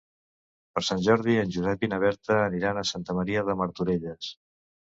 Per Sant Jordi en Josep i na Berta aniran a Santa Maria de Martorelles.